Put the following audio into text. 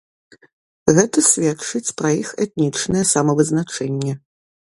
Гэта сведчыць пра іх этнічнае самавызначэнне.